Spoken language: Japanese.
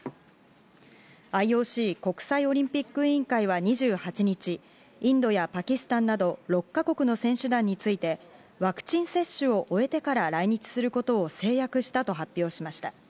ＩＯＣ＝国際オリンピック委員会は２８日、インドやパキスタンなど６か国の選手団について、ワクチン接種を終えてから来日することを誓約したと発表しました。